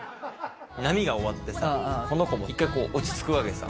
波が終わってさ、この子、一回落ち着くわけさ。